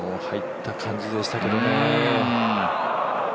入った感じでしたけどね。